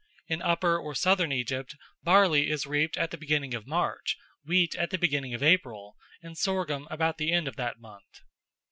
In Upper or Southern Egypt barley is reaped at the beginning of March, wheat at the beginning of April, and sorghum about the end of that month.